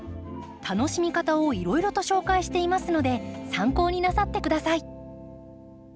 楽しみ方をいろいろと紹介していますので参考になさって下さい。